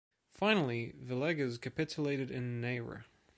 Finally, Villegas capitulated in Neira.